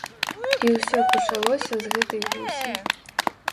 І ўсё пачалося з гэтай гусі.